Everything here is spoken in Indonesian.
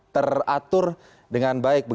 teratur dengan baik